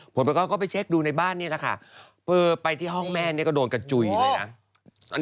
ประกอบก็ไปเช็คดูในบ้านนี่แหละค่ะพอไปที่ห้องแม่เนี่ยก็โดนกระจุยเลยนะ